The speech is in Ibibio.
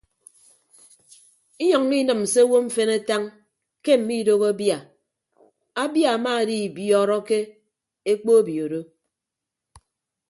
Inyʌññọ inịm se owo mfen atañ ke mmiidoho abia abia amaadibiọọrọke ekpo obioro.